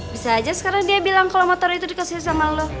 bisa aja sekarang dia bilang kalau motor itu dikasih sama allah